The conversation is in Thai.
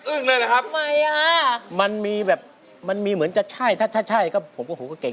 อึ้งเลยเหรอครับมันมีแบบถ้าใช่ผมก็เก่งกัน